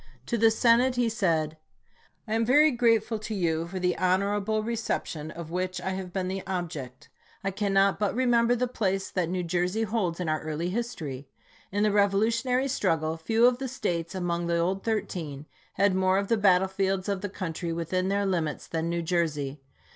To the Senate he said: SPRINGFIELD TO WASHINGTON 297 I am very grateful to you for the honorable reception chap.xix. of which I have been the object. I cannot but remember the place that New Jersey holds in our early history. In the revolutionary struggle few of the States among the Old Thirteen had more of the battlefields of the country within their limits than New Jersey.